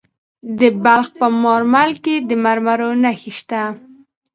د بلخ په مارمل کې د مرمرو نښې شته.